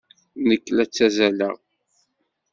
Nekk la ttazzaleɣ.